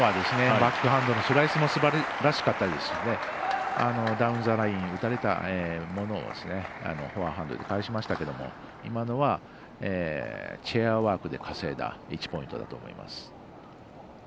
バックハンドのスライスもすばらしかったですしダウンザライン、打たれたものをフォアハンドで返しましたけれども今のは、チェアワークで稼いだ１ポイントだと思います。